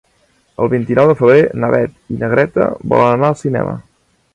El vint-i-nou de febrer na Beth i na Greta volen anar al cinema.